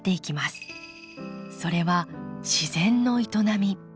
それは自然の営み。